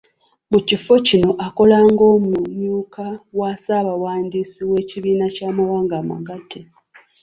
Mu kifo kino akola ng'omumyuka wa ssabawandiisi w'Ekibiina ky'amawanga Amagate